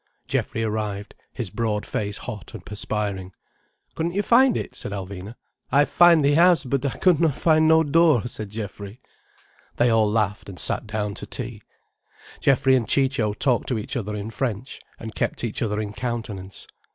Geoffrey arrived, his broad face hot and perspiring. "Couldn't you find it?" said Alvina. "I find the house, but I couldn't find no door," said Geoffrey. They all laughed, and sat down to tea. Geoffrey and Ciccio talked to each other in French, and kept each other in countenance.